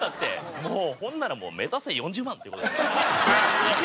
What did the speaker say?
もうほんなら目指せ４０万！っていう事で。